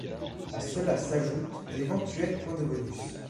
À cela s'ajoutent d'éventuels points de bonus.